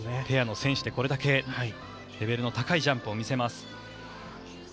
ペアの選手でこれだけレベルの高いジャンプを見せます。